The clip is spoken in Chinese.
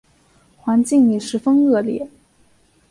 环境也十分的恶劣